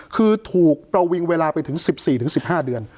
คือถูกประวิงเวลาไปถึง๑๔๑๕เดือน